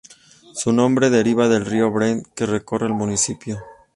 Su nombre deriva del río Brent que recorre el municipio.